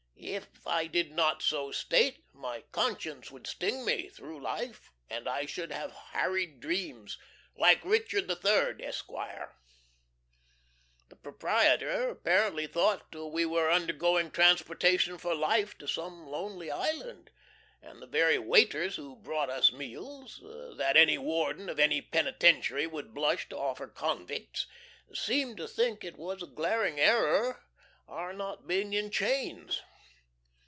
If I did not so state, my conscience would sting me through life, and I should have harried dreams like Richard III. Esq. The proprietor apparently thought we were undergoing transportation for life to some lonely island, and the very waiters who brought us meals, that any warden of any penitentiary would blush to offer convicts, seemed to think it was a glaring error our not being in chains.